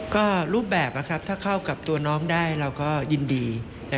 ก็รูปแบบถ้าเข้ากับตัวน้องได้เราก็ยินดี